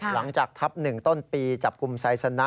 หลังจากทัพ๑ต้นปีจับกลุ่มไซสนะ